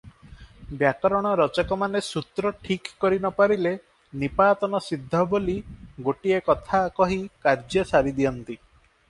ବ୍ୟାକରଣ ରଚକମାନେ ସୂତ୍ର ଠିକ୍ କରି ନପାରିଲେ ନିପାତନସିଦ୍ଧ ବୋଲି ଗୋଟିଏ କଥା କହି କାର୍ଯ୍ୟ ସାରିଦିଅନ୍ତି ।